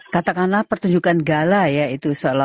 katakanlah pertunjukan gala ya itu seolah olah